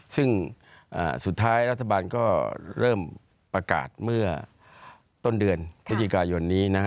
ซึ่งอ่าสุดท้ายรัฐบาลก็เริ่มประกาศเมื่อต้นเดือนค่ะวิธีการยนต์นี้นะฮะ